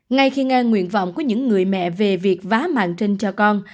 ngay khi ngang nguyện vọng của những người mẹ về việc vá màn trinh cho con